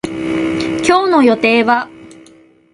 今日の予定は